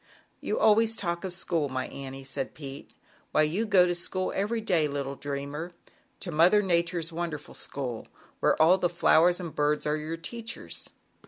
"You always talk of school, my Annie," said Pete. "Why, you go to 64 ZAUBERLINDA, THE WISE WITCH. school every day, little dreamer to Mother Nature's wonderful school, where all the flowers and birds are your teachers."